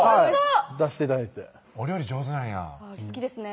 出して頂いてお料理上手なんや好きですね